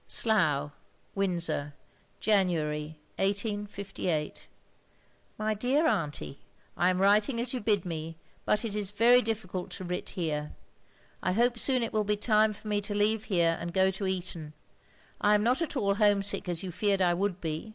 " Slough, Windsor, January, 1858. '* My Dere Auntie, "/ ant writting as you hid me, hut it is very difjiculd to writ here. I hope soon it will he time for me to leeve here and go to Eton, I am not at all homsick as you jeered I would he.